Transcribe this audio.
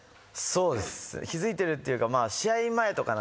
気付いてるっていうか試合前とかなんですよ。